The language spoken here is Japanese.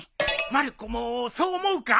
まる子もそう思うか？